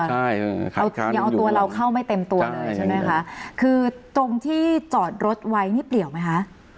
ใช่เอายังเอาตัวเราเข้าไม่เต็มตัวเลยใช่ไหมคะคือตรงที่จอดรถไว้นี่เปลี่ยวไหมคะ